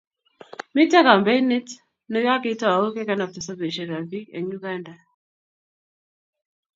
Mito kampeinit ne kakitou kekanabta sobesiekab biik eng' Uganda.